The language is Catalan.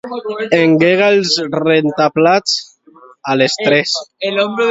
Engega el rentaplats a les tres.